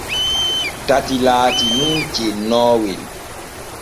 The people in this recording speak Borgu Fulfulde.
Tati e laati nun cennoowel.